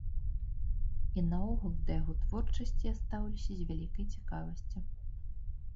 І наогул, да яго творчасці я стаўлюся з вялікай цікавасцю.